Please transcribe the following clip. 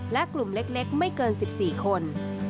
และกลุ่มเล็กไม่เกิน๑๔คน